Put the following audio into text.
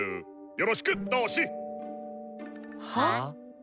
よろしく同志！は？